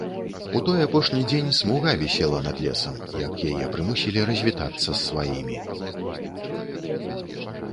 У той апошні дзень смуга вісела над лесам, як яе прымусілі развітацца з сваімі.